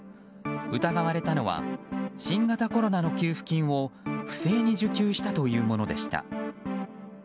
疑われたのは新型コロナの給付金を不正に受給したというものでした。